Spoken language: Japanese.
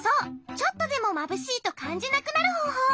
ちょっとでもまぶしいとかんじなくなるほうほう。